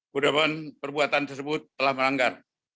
kudapan perbuatan tersebut telah melanggar